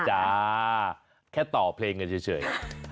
จ้าแค่ต่อเพลงกันเฉย